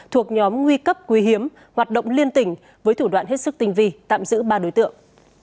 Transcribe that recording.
thuộc nhóm nguy cấp quý hiếm hoạt động liên tỉnh với thủ đoạn hết sức tinh vi tạm giữ ba đối tượng